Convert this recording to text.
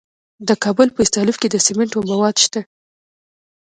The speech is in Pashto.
د کابل په استالف کې د سمنټو مواد شته.